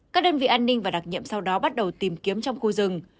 các đơn vị an ninh và đặc nhiệm sau đó bắt đầu tìm kiếm trong khu rừng